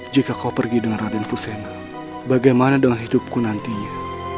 jika kau pergi darah dan fusena bagaimana dengan hidupku nantinya